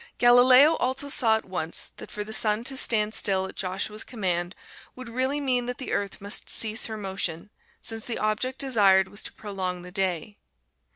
Galileo also saw at once that for the sun to stand still at Joshua's command would really mean that the Earth must cease her motion, since the object desired was to prolong the day.